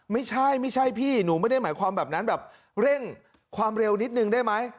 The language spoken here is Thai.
ไม่ใช่ไม่ใช่พี่หนูไม่ได้หมายความแบบนั้นแบบเร่งความเร็วนิดนึงได้ไหม